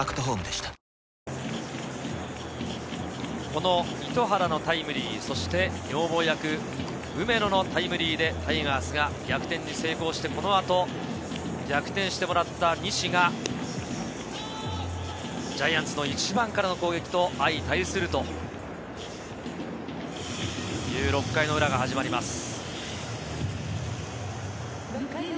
この糸原のタイムリー、そして女房役・梅野のタイムリーでタイガースが逆転に成功して、この後、逆転してもらった西がジャイアンツの１番からの攻撃と相対するという６回の裏が始まります。